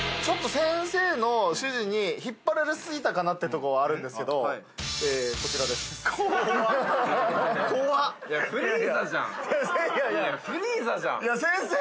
ちょっと先生の指示に引っ張られすぎたかなってところはあるんですけどこちらです。